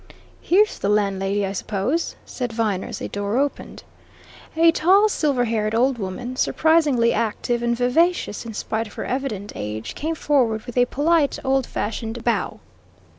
"Here's the landlady, I suppose," said Viner as a door opened. A tall, silver haired old woman, surprisingly active and vivacious in spite of her evident age, came forward with a polite, old fashioned bow.